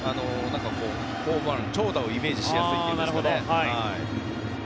ホームラン長打をイメージしやすいというんですかね。